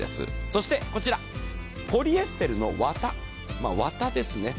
そしてこちら、ポリエステルの綿ですね